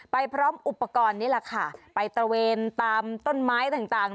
พร้อมอุปกรณ์นี่แหละค่ะไปตระเวนตามต้นไม้ต่างต่าง